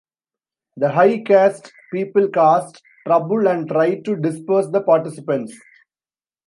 The high caste people caused trouble and tried to disperse the participants.